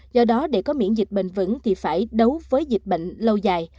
do đó để có miễn dịch bền vững thì phải đấu với dịch bệnh lâu dài